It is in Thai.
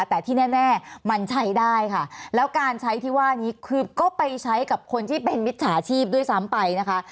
แต่ที่แน่มันใช้ได้ค่ะแล้วการใช้ที่ว่านี้คือก็ไปใช้กับคนที่เป็นมิจฉาชีพด้วยซ้ำไปนะคะ